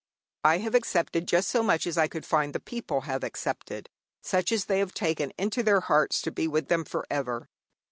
I have accepted just so much as I could find the people have accepted, such as they have taken into their hearts to be with them for ever.